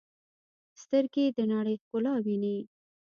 سترګې د نړۍ ښکلا ویني.